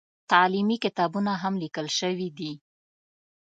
تعلیمي کتابونه هم لیکل شوي دي.